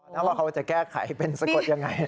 ว่าเขาจะแก้ไขเป็นสะกดยังไง